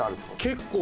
結構。